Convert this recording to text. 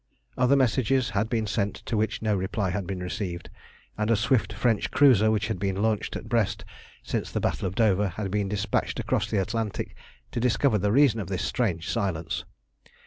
Other messages had been sent to which no reply had been received, and a swift French cruiser, which had been launched at Brest since the battle of Dover, had been dispatched across the Atlantic to discover the reason of this strange silence.